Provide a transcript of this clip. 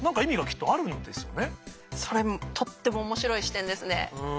それもとっても面白い視点ですね。